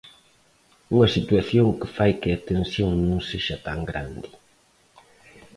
Unha situación que fai que a tensión non sexa tan grande.